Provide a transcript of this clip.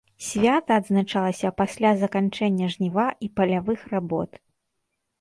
Свята адзначалася пасля заканчэння жніва і палявых работ.